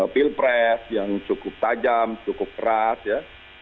pilpres yang cukup tajam cukup keras ya